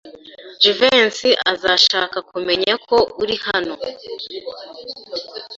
Jivency azashaka kumenya ko uri hano.